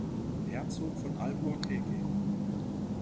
Herzog von Alburquerque.